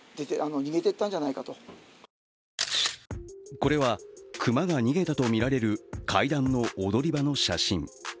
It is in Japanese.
これは、熊が逃げたとみられる階段の踊り場の写真。